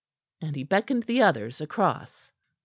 And he beckoned the others across.